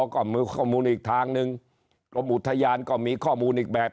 ก็มีข้อมูลอีกทางหนึ่งกรมอุทยานก็มีข้อมูลอีกแบบ